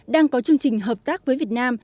đang có chương trình hợp tác với việt nam